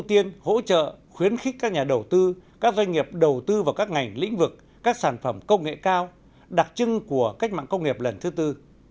ưu tiên hỗ trợ khuyến khích các nhà đầu tư các doanh nghiệp đầu tư vào các ngành lĩnh vực các sản phẩm công nghệ cao đặc trưng của cách mạng công nghiệp lần thứ tư